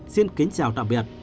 xin kính chào tạm biệt